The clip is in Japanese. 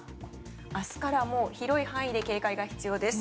明日から広い範囲に警戒が必要です。